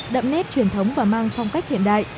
đậm nét truyền thống và mang phong cách hiện đại